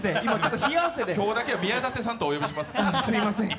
今日だけは宮舘さんとお呼びします。